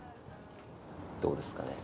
どうですかね？